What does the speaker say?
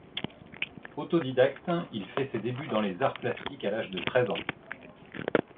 Autodidacte, il fait ses débuts dans les arts plastiques à l'âge de treize ans.